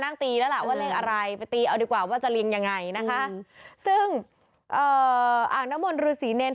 ในอ่างน้ำมนต์